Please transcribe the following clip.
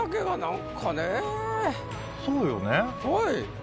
はい。